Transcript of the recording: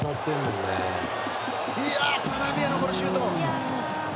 サラビアのシュート。